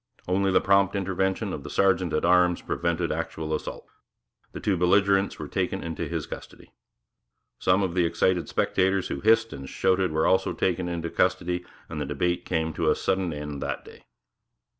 Only the prompt intervention of the sergeant at arms prevented actual assault. The two belligerents were taken into his custody. Some of the excited spectators who hissed and shouted were also taken into custody; and the debate came to a sudden end that day.